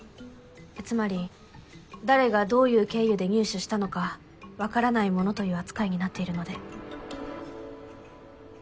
つまり誰がどういう経由で入手したのか分からないものという扱いになっているので。